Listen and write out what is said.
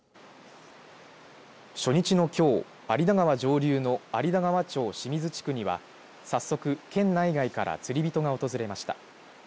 初日のきょう有田川上流の有田川町清水地区には早速、県内外から釣り人が訪れました。